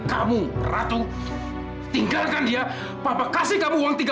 sampai jumpa di video selanjutnya